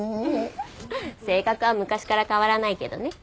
性格は昔から変わらないけどね。